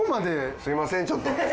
すいませんちょっと。